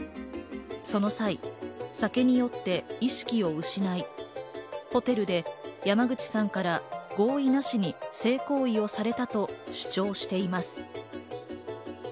その際、酒に酔って意識を失い、ホテルで山口さんから合意なしに性行為をされたと主張しています。